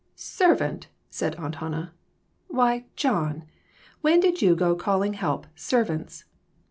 "Servant!" said Aunt Hannah; "why, John, when did you go to calling help servants